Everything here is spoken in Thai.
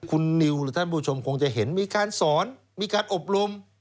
คุณนิวหรือท่านผู้ชมคงจะเห็นมีการสอนมีการอบรม